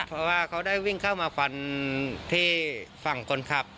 เพราะว่าเขาได้วิ่งเข้ามาฟันที่ฝั่งคนขับ